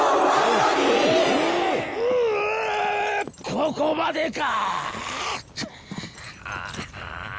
ここまでか。